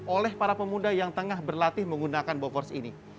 oleh para pemuda yang tengah berlatih menggunakan bocors ini